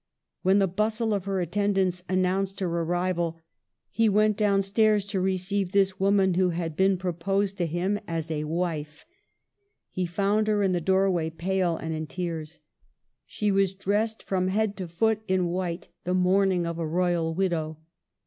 When the bustle of her attendants announced her arrival he went downstairs to receive this woman who had been proposed to him as a 96 MARGARET OF ANGOULEME. wife. He found her in the doorway, pale and in tears. She was dressed from head to foot in white, the mourning of a royal widow.